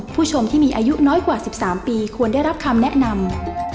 ผู้ชมที่มีอายุน้อยกว่า๑๓ปีควรได้รับคำแนะนำ